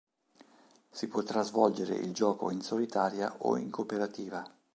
Si potrà svolgere il gioco in solitaria o in cooperativa.